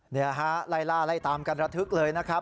นี่ฮะไล่ล่าไล่ตามกันระทึกเลยนะครับ